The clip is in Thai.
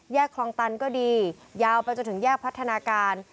คลองตันก็ดียาวไปจนถึงแยกพัฒนาการ